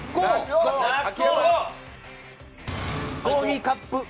コーヒーカップ。